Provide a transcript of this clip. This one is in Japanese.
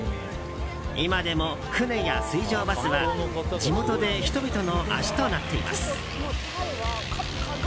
今でも船や水上バスは地元で人々の足となっています。